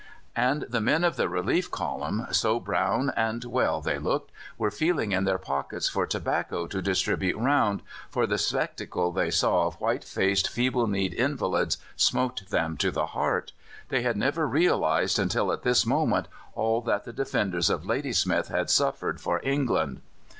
And the men of the Relief Column so brown and well they looked were feeling in their pockets for tobacco to distribute round, for the spectacle they saw of white faced, feeble kneed invalids smote them to the heart. They had never realized until at this moment all that the defenders of Ladysmith had suffered for England.